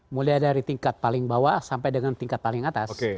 mulai dari tingkat paling bawah sampai dengan tingkat paling atas